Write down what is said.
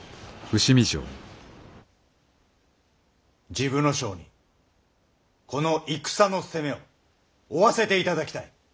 治部少輔にこの戦の責めを負わせていただきたい。